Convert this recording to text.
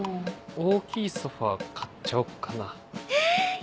大きいソファ買っちゃおっかな。